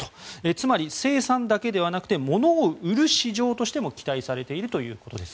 つまり、生産だけではなくてものを売る市場としても期待されているということです。